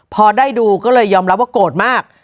พอได้ดูก็เลยยอมรับว่าโกรธมาก